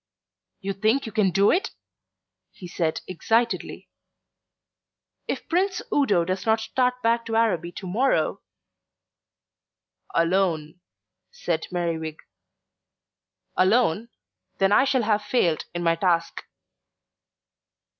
"You think you can do it?" he said excitedly. "If Prince Udo does not start back to Araby to morrow " "Alone," said Merriwig. "Alone then I shall have failed in my task."